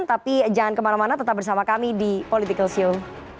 tapi jangan kemana mana tetap bersama kami di political show